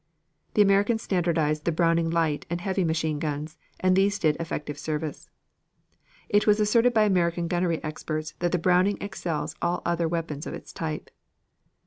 The Americans standardized the Browning light and heavy machine guns, and these did effective service. It was asserted by American gunnery experts that the Browning excels all other weapons of its type.